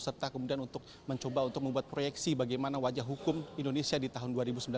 serta kemudian untuk mencoba untuk membuat proyeksi bagaimana wajah hukum indonesia di tahun dua ribu sembilan belas